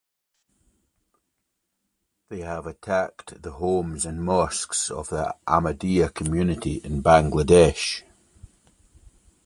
They have attacked the homes and mosques of the Ahmadiyya community in Bangladesh.